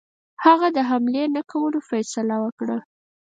هغه د حملې نه کولو فیصله وکړه.